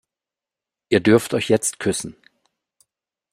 Ihr dürft euch jetzt küssen.